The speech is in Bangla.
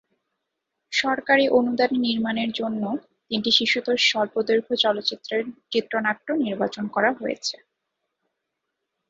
সরকারি অনুদানে নির্মাণের জন্য তিনটি শিশুতোষ স্বল্পদৈর্ঘ্য চলচ্চিত্রের চিত্রনাট্য নির্বাচন করা হয়েছে।